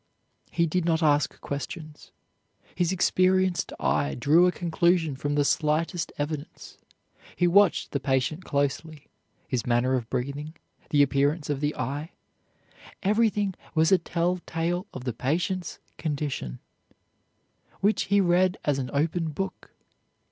He did not ask questions. His experienced eye drew a conclusion from the slightest evidence. He watched the patient closely; his manner of breathing, the appearance of the eye, everything was a telltale of the patient's condition, which he read as an open book.